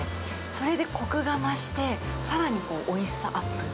それでこくが増して、さらにおいしさアップ。